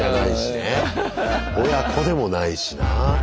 親子でもないしなあ。